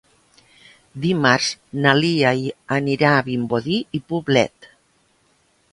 Dimarts na Lia anirà a Vimbodí i Poblet.